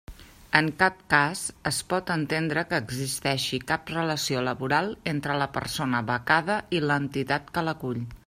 En cap cas, es pot entendre que existeixi cap relació laboral entre la persona becada i l'entitat que l'acull.